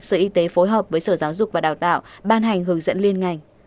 sở y tế phối hợp với sở giáo dục và đào tạo ban hành hướng dẫn liên ngành